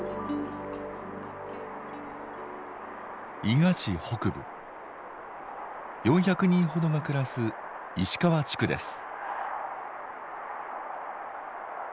伊賀市北部４００人ほどが暮らす石川地区です。